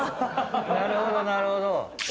なるほどなるほど。